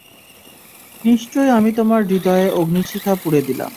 নিশ্চয় আমি তোমার হৃদয়ে অগ্নিশিখা পুরে দিলাম।